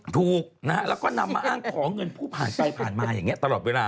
ถูกนะฮะแล้วก็นำมาอ้างขอเงินผู้ผ่านไปผ่านมาอย่างนี้ตลอดเวลา